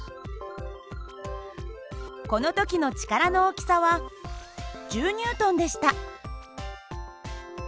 この時の力の大きさは１０Ｎでした。